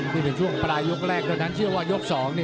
นี่เป็นช่วงปลายยกแรกเท่านั้นเชื่อว่ายก๒